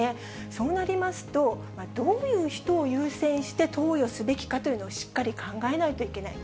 そうなりますと、どういう人を優先して投与すべきかというのを、しっかり考えないといけない。